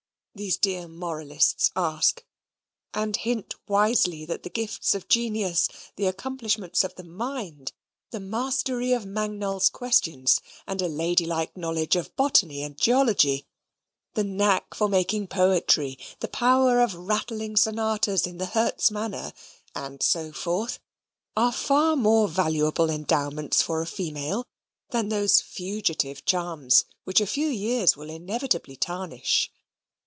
these dear Moralists ask, and hint wisely that the gifts of genius, the accomplishments of the mind, the mastery of Mangnall's Questions, and a ladylike knowledge of botany and geology, the knack of making poetry, the power of rattling sonatas in the Herz manner, and so forth, are far more valuable endowments for a female, than those fugitive charms which a few years will inevitably tarnish.